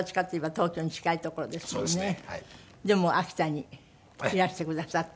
でも秋田にいらしてくださって。